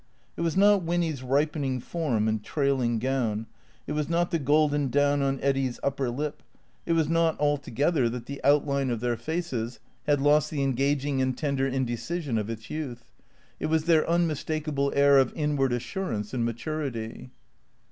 It was not Winny's ripening form and trailing gown, it was not the golden down on Eddy's upper lip ; it was not altogether that the 454 THECEEATOES outline of their faces had lost the engaging and tender indecision of its youth. It was their unmistakable air of inward assur ance and maturity.